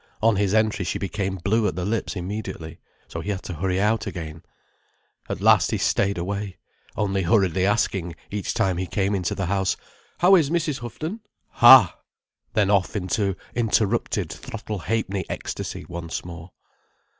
On his entry she became blue at the lips immediately, so he had to hurry out again. At last he stayed away, only hurriedly asking, each time he came into the house, "How is Mrs. Houghton? Ha!" Then off into uninterrupted Throttle Ha'penny ecstasy once more.